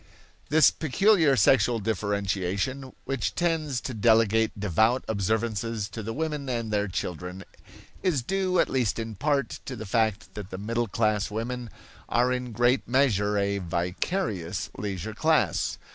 This peculiar sexual differentiation, which tends to delegate devout observances to the women and their children, is due, at least in part, to the fact that the middle class women are in great measure a (vicarious) leisure class.